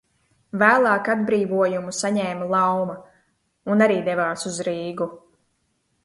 Vēlāk atbrīvojumu saņēma Lauma un arī devās uz Rīgu.